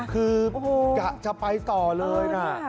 คือกะจะไปต่อเลยนะ